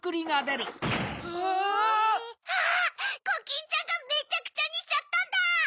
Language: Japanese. コキンちゃんがめちゃくちゃにしちゃったんだ！